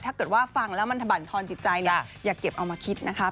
ถ้าเกิดว่าฟังแล้วมันถบันทอนจิตใจเนี่ยอย่าเก็บเอามาคิดนะคะ